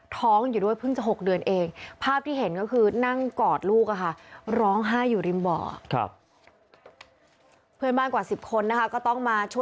ท้องอยู่ด้วยเพิ่งจะ๖เดือนเอง